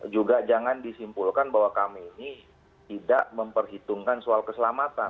juga jangan disimpulkan bahwa kami ini tidak memperhitungkan soal keselamatan